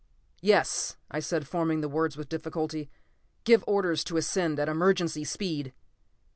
"Yes," I said, forming the words with difficulty. "Give orders to ascend at emergency speed!"